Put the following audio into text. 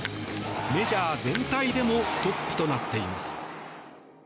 メジャー全体でもトップとなっています。